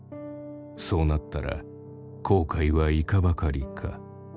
そうなったら後悔はいかばかりか」。